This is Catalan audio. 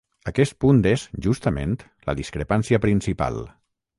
Aquest punt és, justament, la discrepància principal.